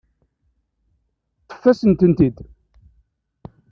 Ṭṭfet-asent-ten-id.